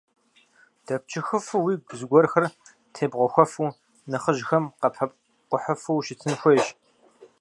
Дэпчыхыфу, уигу зыгуэрхэр тебгъэхуэфу, нэхъыжьхэм къапэпкӀухьыфу ущытын хуейщ.